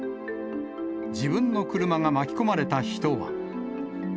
自分の車が巻き込まれた人は。